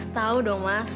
tau dong mas